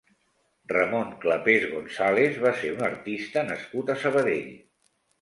Ramon Clapés González va ser un artista nascut a Sabadell.